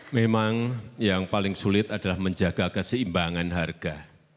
memang yang paling sulit adalah menjaga keseimbangan harga